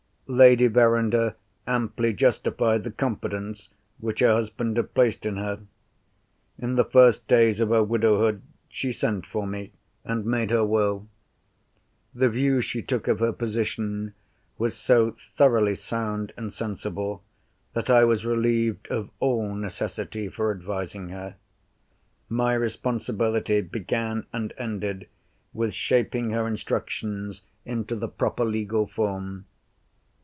Lady Verinder amply justified the confidence which her husband had placed in her. In the first days of her widowhood, she sent for me, and made her Will. The view she took of her position was so thoroughly sound and sensible, that I was relieved of all necessity for advising her. My responsibility began and ended with shaping her instructions into the proper legal form.